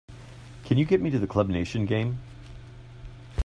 Can you get me the Club Nation game?